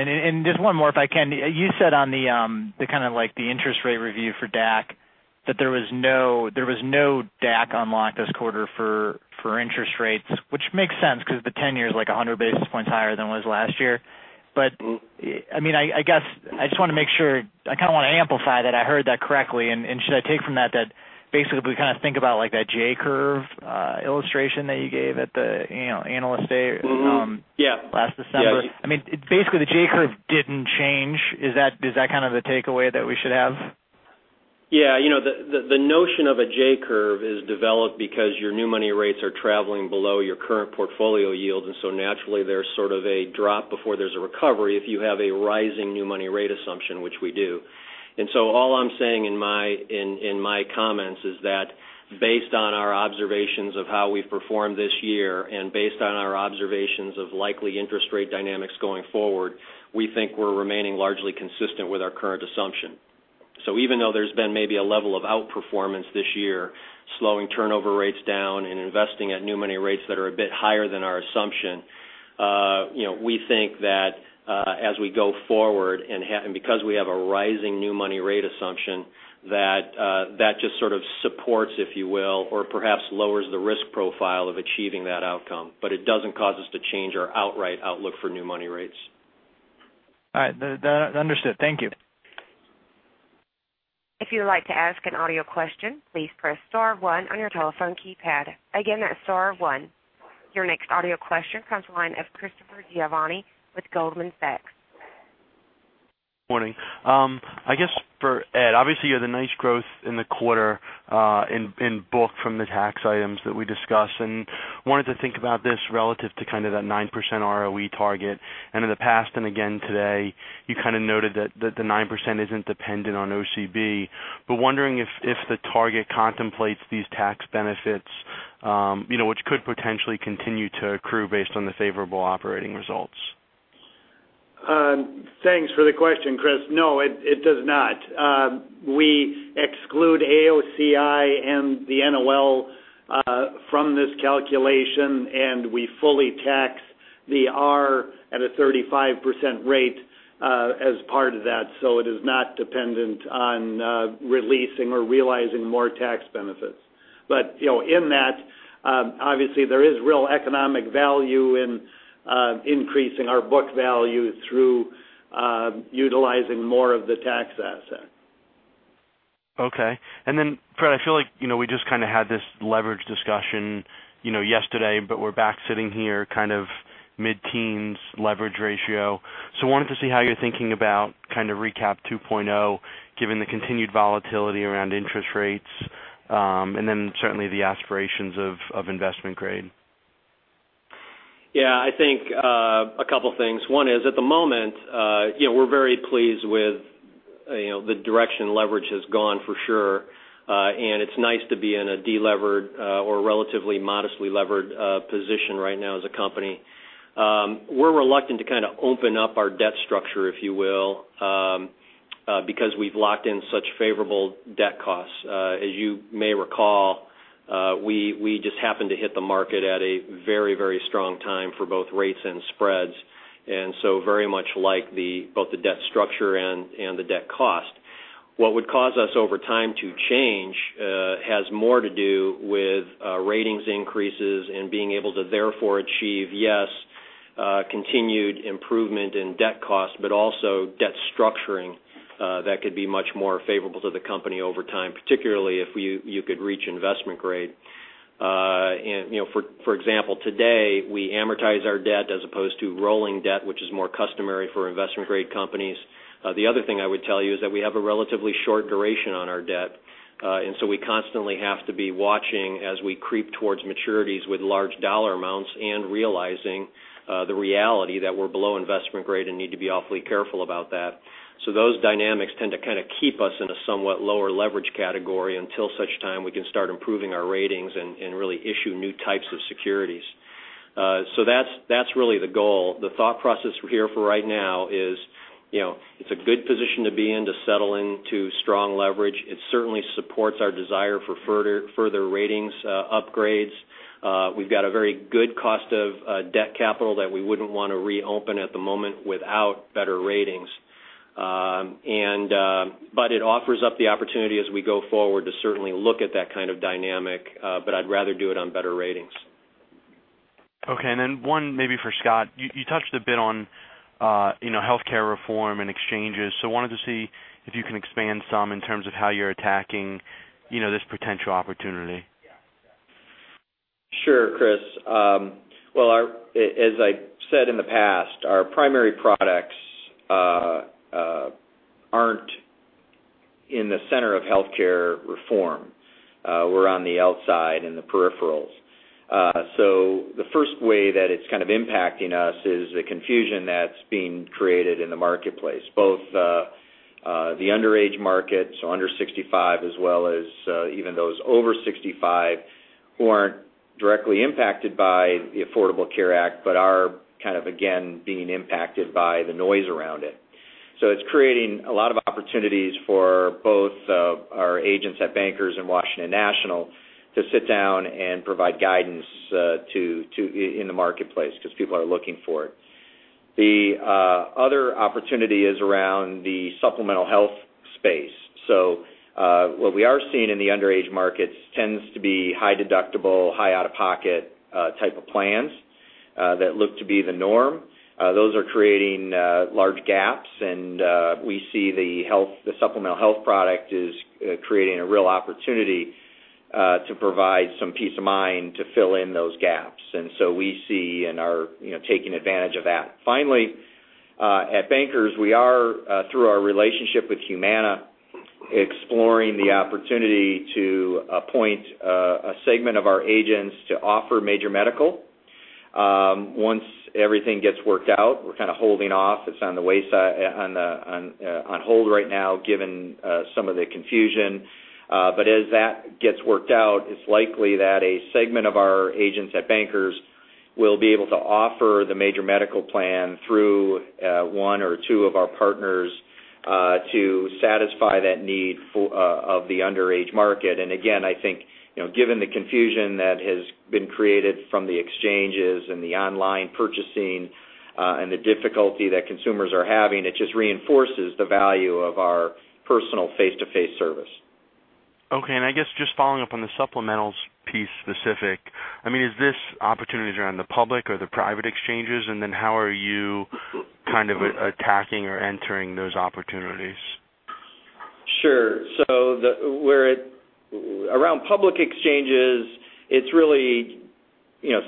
Just one more if I can. You said on the interest rate review for DAC that there was no DAC unlock this quarter for interest rates, which makes sense because the 10-year is 100 basis points higher than it was last year. I just want to make sure, I want to amplify that I heard that correctly, and should I take from that basically we think about that J curve illustration that you gave at the analyst day? Mm-hmm. Yeah last December. Yeah. Basically the J curve didn't change. Is that the takeaway that we should have? Yeah. The notion of a J curve is developed because your new money rates are traveling below your current portfolio yield. Naturally there's sort of a drop before there's a recovery if you have a rising new money rate assumption, which we do. All I'm saying in my comments is that based on our observations of how we've performed this year and based on our observations of likely interest rate dynamics going forward, we think we're remaining largely consistent with our current assumption. Even though there's been maybe a level of outperformance this year, slowing turnover rates down and investing at new money rates that are a bit higher than our assumption, we think that as we go forward, and because we have a rising new money rate assumption, that just sort of supports, if you will, or perhaps lowers the risk profile of achieving that outcome. It doesn't cause us to change our outright outlook for new money rates. All right. Understood. Thank you. If you would like to ask an audio question, please press star one on your telephone keypad. Again, that's star one. Your next audio question comes the line of Christopher Giovanni with Goldman Sachs. Morning. I guess for Ed, obviously you had a nice growth in the quarter in book from the tax items that we discussed, and wanted to think about this relative to kind of that 9% ROE target. In the past, and again today, you kind of noted that the 9% isn't dependent on OCB, but wondering if the target contemplates these tax benefits which could potentially continue to accrue based on the favorable operating results. Thanks for the question, Chris. No, it does not. We exclude AOCI and the NOL from this calculation, and we fully tax the ROE at a 35% rate as part of that, so it is not dependent on releasing or realizing more tax benefits. In that, obviously, there is real economic value in increasing our book value through utilizing more of the tax asset. Okay. Then Fred, I feel like we just kind of had this leverage discussion yesterday, but we're back sitting here kind of mid-teens leverage ratio. I wanted to see how you're thinking about kind of recap 2.0 given the continued volatility around interest rates, certainly the aspirations of investment grade. I think a couple things. One is, at the moment we're very pleased with the direction leverage has gone, for sure. It's nice to be in a de-levered or relatively modestly levered position right now as a company. We're reluctant to kind of open up our debt structure, if you will because we've locked in such favorable debt costs. As you may recall, we just happened to hit the market at a very, very strong time for both rates and spreads, very much like both the debt structure and the debt cost. What would cause us over time to change has more to do with ratings increases and being able to therefore achieve, yes, continued improvement in debt cost, but also debt structuring that could be much more favorable to the company over time, particularly if you could reach investment grade. For example, today we amortize our debt as opposed to rolling debt, which is more customary for investment grade companies. The other thing I would tell you is that we have a relatively short duration on our debt, we constantly have to be watching as we creep towards maturities with large dollar amounts and realizing the reality that we're below investment grade and need to be awfully careful about that. Those dynamics tend to kind of keep us in a somewhat lower leverage category until such time we can start improving our ratings and really issue new types of securities. That's really the goal. The thought process here for right now is it's a good position to be in to settle into strong leverage. It certainly supports our desire for further ratings upgrades. We've got a very good cost of debt capital that we wouldn't want to reopen at the moment without better ratings. It offers up the opportunity as we go forward to certainly look at that kind of dynamic, but I'd rather do it on better ratings. One maybe for Scott. You touched a bit on healthcare reform and exchanges, wanted to see if you can expand some in terms of how you're attacking this potential opportunity. Sure, Christopher. As I said in the past, our primary products aren't in the center of healthcare reform. We're on the outside in the peripherals. The first way that it's kind of impacting us is the confusion that's being created in the marketplace, both the underage markets, so under 65, as well as even those over 65 who aren't directly impacted by the Affordable Care Act, but are kind of, again, being impacted by the noise around it. It's creating a lot of opportunities for both our agents at Bankers and Washington National to sit down and provide guidance in the marketplace because people are looking for it. The other opportunity is around the supplemental health space. What we are seeing in the underage markets tends to be high-deductible, high-out-of-pocket type of plans that look to be the norm. Those are creating large gaps, and we see the supplemental health product is creating a real opportunity to provide some peace of mind to fill in those gaps. We see and are taking advantage of that. Finally, at Bankers, we are through our relationship with Humana, exploring the opportunity to appoint a segment of our agents to offer major medical once everything gets worked out. We're kind of holding off. It's on hold right now given some of the confusion. As that gets worked out, it's likely that a segment of our agents at Bankers will be able to offer the major medical plan through one or two of our partners to satisfy that need of the underage market. Again, I think given the confusion that has been created from the exchanges and the online purchasing and the difficulty that consumers are having, it just reinforces the value of our personal face-to-face service. Okay, I guess just following up on the supplementals piece specific, is this opportunities around the public or the private exchanges? How are you attacking or entering those opportunities? Sure. Around public exchanges, it's really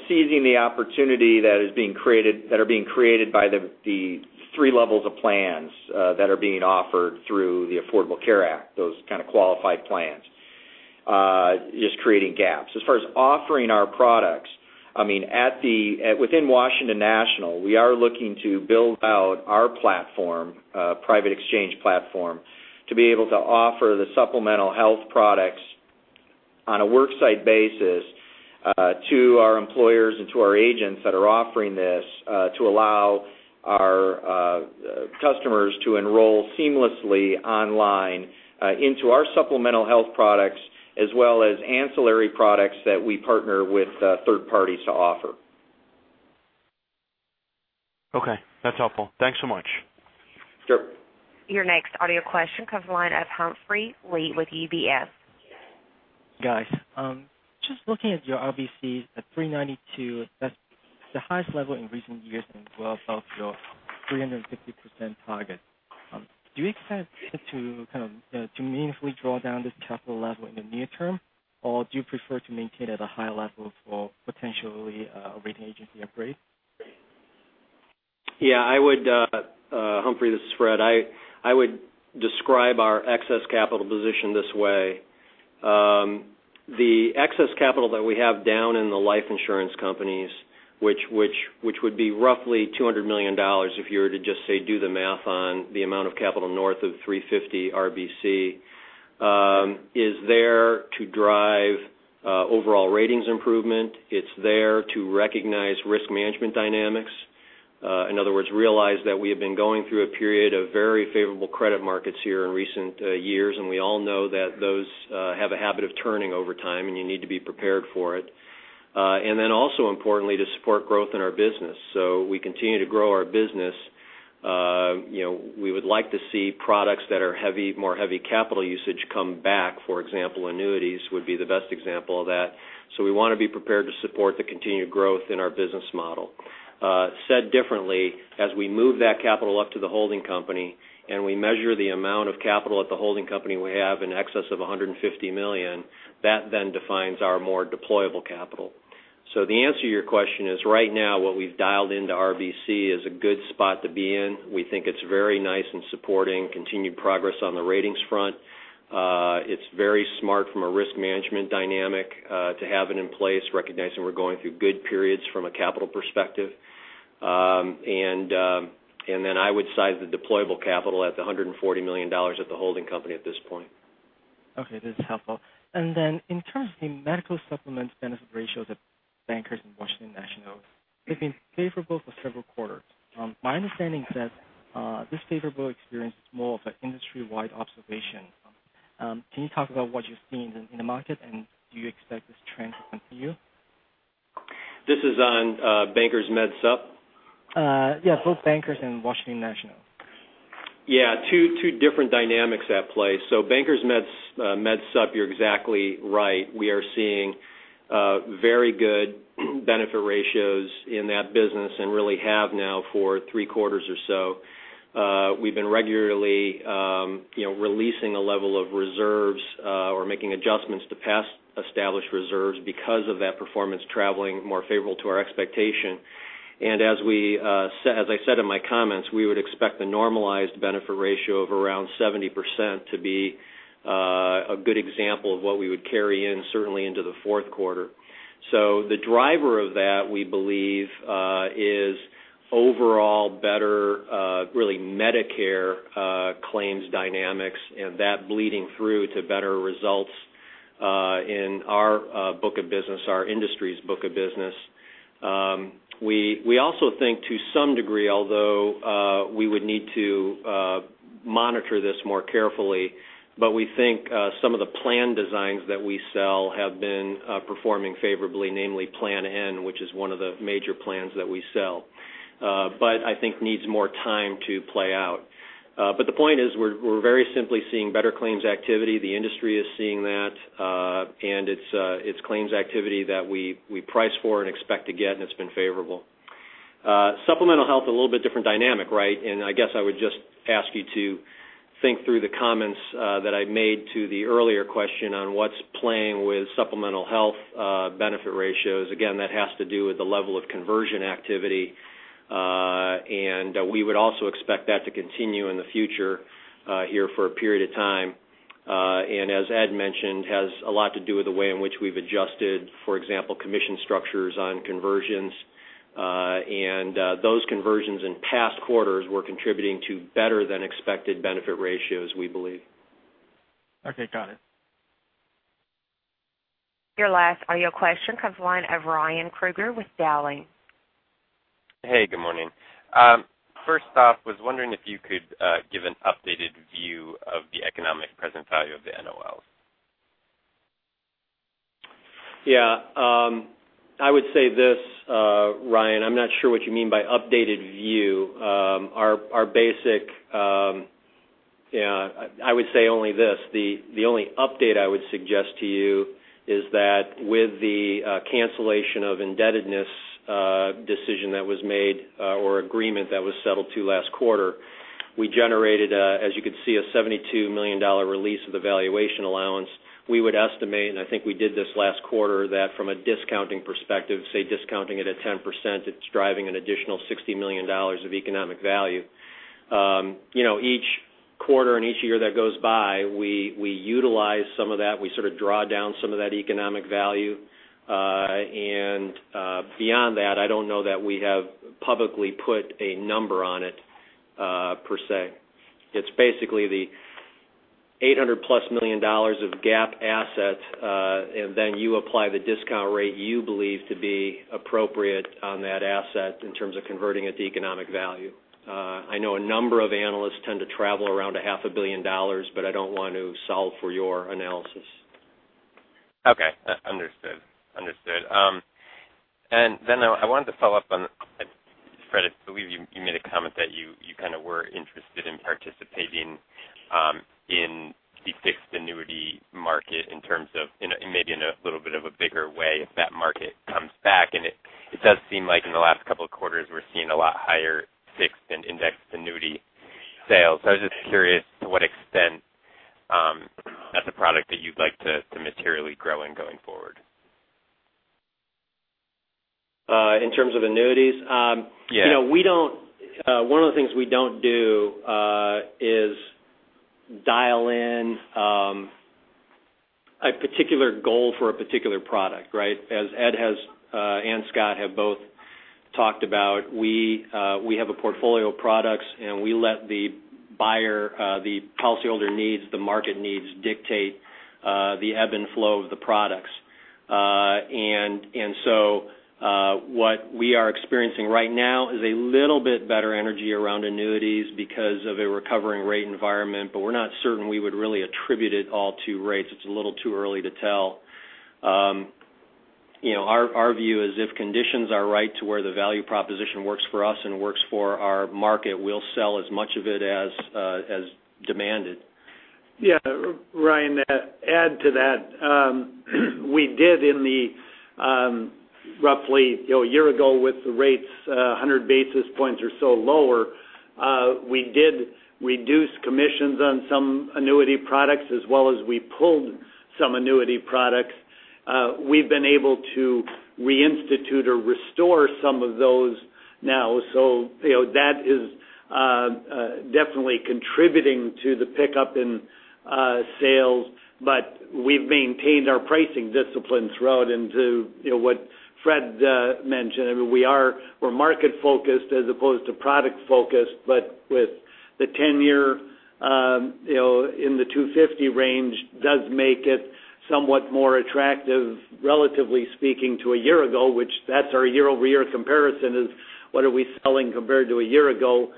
seizing the opportunity that are being created by the 3 levels of plans that are being offered through the Affordable Care Act, those kind of qualified plans, just creating gaps. As far as offering our products, within Washington National, we are looking to build out our private exchange platform to be able to offer the supplemental health products on a work site basis to our employers and to our agents that are offering this to allow our customers to enroll seamlessly online into our supplemental health products as well as ancillary products that we partner with third parties to offer. Okay. That's helpful. Thanks so much. Sure. Your next audio question comes line of Humphrey Lee with UBS. Guys, just looking at your RBCs at 392, that's the highest level in recent years and well above your 350% target. Do you expect to meaningfully draw down this capital level in the near term, or do you prefer to maintain at a high level for potentially a rating agency upgrade? Yeah. Humphrey, this is Fred. I would describe our excess capital position this way. The excess capital that we have down in the life insurance companies, which would be roughly $200 million if you were to just, say, do the math on the amount of capital north of 350 RBC, is there to drive overall ratings improvement. It's there to recognize risk management dynamics. In other words, realize that we have been going through a period of very favorable credit markets here in recent years, and we all know that those have a habit of turning over time, and you need to be prepared for it. Also importantly, to support growth in our business. We continue to grow our business. We would like to see products that are more heavy capital usage come back. For example, annuities would be the best example of that. We want to be prepared to support the continued growth in our business model. Said differently, as we move that capital up to the holding company and we measure the amount of capital at the holding company we have in excess of $150 million, that then defines our more deployable capital. The answer to your question is right now what we've dialed into RBC is a good spot to be in. We think it's very nice in supporting continued progress on the ratings front. It's very smart from a risk management dynamic to have it in place, recognizing we're going through good periods from a capital perspective. I would size the deployable capital at the $140 million at the holding company at this point. Okay. That's helpful. In terms of the Medicare Supplement benefit ratios at Bankers Life and Washington National, they've been favorable for several quarters. My understanding says this favorable experience is more of an industry-wide observation. Can you talk about what you're seeing in the market, and do you expect this trend to continue? This is on Bankers Life Medicare Supplement? Yes, both Bankers Life and Washington National. Yeah. Two different dynamics at play. Bankers Life Medicare Supplement, you're exactly right. We are seeing very good benefit ratios in that business and really have now for three quarters or so. We've been regularly releasing a level of reserves or making adjustments to past established reserves because of that performance traveling more favorable to our expectation. As I said in my comments, we would expect the normalized benefit ratio of around 70% to be a good example of what we would carry in certainly into the fourth quarter. The driver of that, we believe, is overall better, really Medicare claims dynamics and that bleeding through to better results in our book of business, our industry's book of business. We also think to some degree, although we would need to monitor this more carefully, we think some of the plan designs that we sell have been performing favorably, namely Plan N, which is one of the major plans that we sell. I think needs more time to play out. The point is we're very simply seeing better claims activity. The industry is seeing that, it's claims activity that we price for and expect to get, and it's been favorable. Supplemental health, a little bit different dynamic, right? I guess I would just ask you to think through the comments that I made to the earlier question on what's playing with supplemental health benefit ratios. Again, that has to do with the level of conversion activity. We would also expect that to continue in the future here for a period of time. As Ed mentioned, has a lot to do with the way in which we've adjusted, for example, commission structures on conversions. Those conversions in past quarters were contributing to better than expected benefit ratios, we believe. Okay. Got it. Your last audio question comes line of Ryan Krueger with Dowling. Hey, good morning. First off, was wondering if you could give an updated view of the economic present value of the NOLs. Yeah. I would say this, Ryan, I'm not sure what you mean by updated view. I would say only this, the only update I would suggest to you is that with the cancellation of indebtedness decision that was made, or agreement that was settled to last quarter, we generated, as you could see, a $72 million release of the valuation allowance. We would estimate, and I think we did this last quarter, that from a discounting perspective, say discounting it at 10%, it's driving an additional $60 million of economic value. Each quarter and each year that goes by, we utilize some of that, we sort of draw down some of that economic value. Beyond that, I don't know that we have publicly put a number on it, per se. It's basically the $800+ million of GAAP assets, you apply the discount rate you believe to be appropriate on that asset in terms of converting it to economic value. I know a number of analysts tend to travel around a half a billion dollars, I don't want to solve for your analysis. Okay. Understood. I wanted to follow up on, Fred, I believe you made a comment that you were interested in participating in the fixed annuity market in terms of, maybe in a little bit of a bigger way if that market comes back. It does seem like in the last couple of quarters, we're seeing a lot higher fixed and indexed annuity sales. I was just curious to what extent that's a product that you'd like to materially grow in going forward. In terms of annuities? Yeah. One of the things we don't do is dial in a particular goal for a particular product, right? As Ed and Scott have both talked about, we have a portfolio of products, we let the buyer, the policyholder needs, the market needs dictate the ebb and flow of the products. What we are experiencing right now is a little bit better energy around annuities because of a recovering rate environment. We're not certain we would really attribute it all to rates. It's a little too early to tell. Our view is if conditions are right to where the value proposition works for us and works for our market, we'll sell as much of it as demanded. Yeah. Ryan, to add to that. We did in the roughly a year ago with the rates 100 basis points or so lower, we did reduce commissions on some annuity products as well as we pulled some annuity products. We've been able to reinstitute or restore some of those now. That is definitely contributing to the pickup in sales, we've maintained our pricing discipline throughout into what Fred mentioned. I mean, we're market-focused as opposed to product-focused, with the 10-year in the 250 range does make it somewhat more attractive, relatively speaking, to a year ago, which that's our year-over-year comparison is what are we selling compared to a year ago.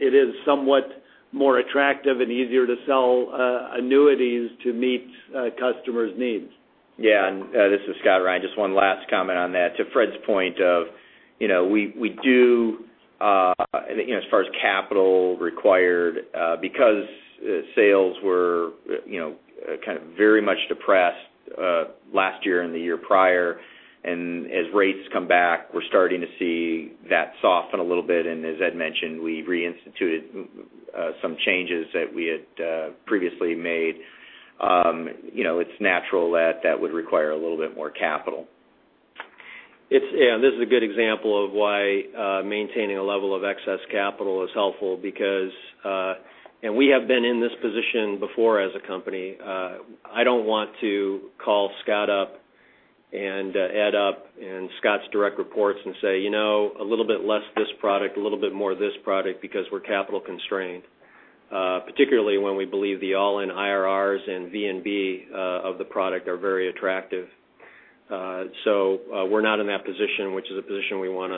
It is somewhat more attractive and easier to sell annuities to meet customers' needs. Yeah. This is Scott, Ryan. Just one last comment on that. To Fred's point of we do as far as capital required, because sales were kind of very much depressed last year and the year prior, as rates come back, we're starting to see that soften a little bit. As Ed mentioned, we reinstituted some changes that we had previously made. It's natural that that would require a little bit more capital. This is a good example of why maintaining a level of excess capital is helpful because we have been in this position before as a company. I don't want to call Scott up and Ed up, and Scott's direct reports and say, "A little bit less this product, a little bit more this product because we're capital constrained." Particularly when we believe the all-in IRRs and VNB of the product are very attractive. We're not in that position, which is a position we want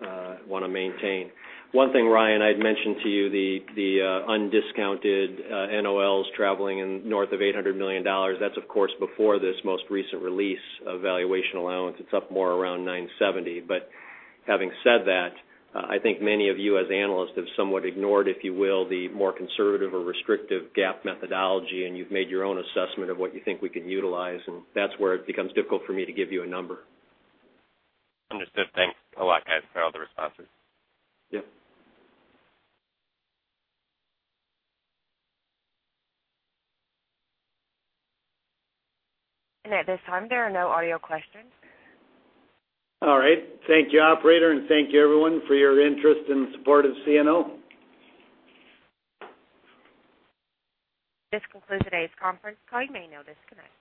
to maintain. One thing, Ryan, I'd mentioned to you the undiscounted NOLs traveling in north of $800 million. That's of course before this most recent release of valuation allowance. It's up more around $970 million. Having said that, I think many of you as analysts have somewhat ignored, if you will, the more conservative or restrictive GAAP methodology, and you've made your own assessment of what you think we can utilize, and that's where it becomes difficult for me to give you a number. Understood. Thanks a lot, guys, for all the responses. Yep. At this time, there are no audio questions. All right. Thank you, operator. Thank you, everyone, for your interest and support of CNO Financial Group. This concludes today's conference. You may now disconnect.